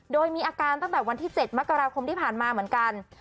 โดยมีอาการตั้งแต่วันที่๗มกราคมที่ผ่านมาเหมือนกัน